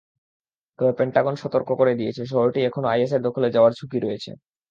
তবে পেন্টাগন সতর্ক করে দিয়েছে, শহরটি এখনো আইএসের দখলে যাওয়ার ঝুঁকি রয়েছে।